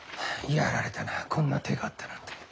やられたなこんな手があったなんて。